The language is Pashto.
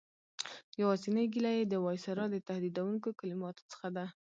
یوازینۍ ګیله یې د وایسرا د تهدیدوونکو کلماتو څخه ده.